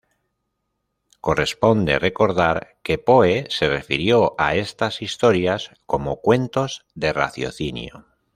Corresponde recordar que Poe se refirió a estas historias como ""Cuentos de raciocinio"".